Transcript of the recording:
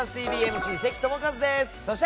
ＭＣ、関智一です！